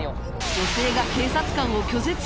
女性が警察官を拒絶